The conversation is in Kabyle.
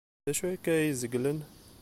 D acu akka ay zeglen?